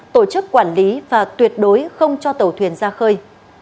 tổ chức quản lý và tuyệt đối không cho tàu thuyền ra khơi